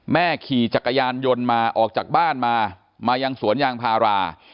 ขี่จักรยานยนต์มาออกจากบ้านมามายังสวนยางพารา